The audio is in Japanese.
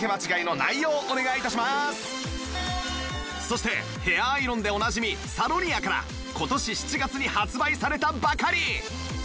そしてヘアアイロンでおなじみサロニアから今年７月に発売されたばかり